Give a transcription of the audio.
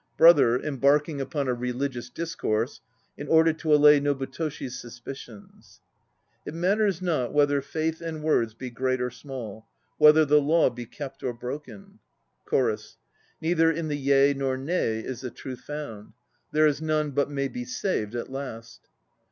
BROTHER (embarking upon a religious discourse in order to allay NOBUTOSHFS suspicions). It matters not whether faith and words be great or small, Whether the law be kept or broken. CHORUS. Neither in the "Yea" nor "Nay" is the Truth found; There is none but may be saved at last.